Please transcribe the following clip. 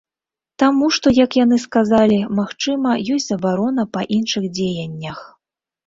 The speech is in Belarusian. Таму што, як яны сказалі, магчыма, ёсць забарона па іншых дзеяннях.